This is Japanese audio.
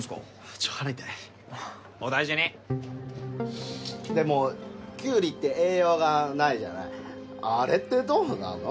ちょっ腹痛いお大事にでもきゅうりって栄養がないじゃないあれってどうなの？